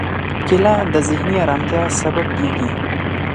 کېله د ذهني ارامتیا سبب کېږي.